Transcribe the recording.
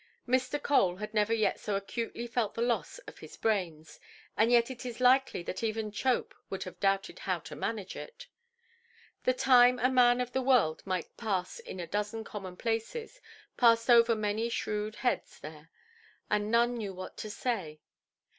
Mr. Cole had never yet so acutely felt the loss of his "brains"; and yet it is likely that even Chope would have doubted how to manage it. The time a man of the world might pass in a dozen common–places, passed over many shrewd heads there, and none knew what to say.